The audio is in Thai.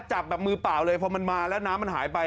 จับแบบมือเปล่าเลยพอมันมาแล้วน้ำมันหายไป